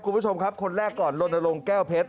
คุณผู้ชมครับคนแรกก่อนลนลงแก้วเพชร